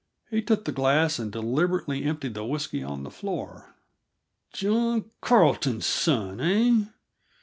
He took the glass and deliberately emptied the whisky on the floor. "John Carleton's son, eh?